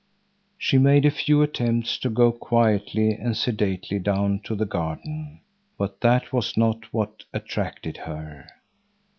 She made a few attempts to go quietly and sedately down to the garden, but that was not what attracted her.